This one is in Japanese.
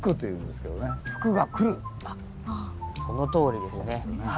あっそのとおりですね。